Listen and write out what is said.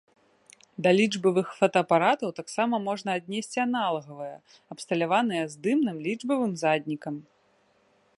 Да лічбавых фотаапаратаў таксама можна аднесці аналагавыя, абсталяваныя здымным лічбавым заднікам.